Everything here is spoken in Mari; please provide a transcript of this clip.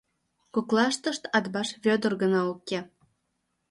Коклаштышт Атбаш Вӧдыр гына уке.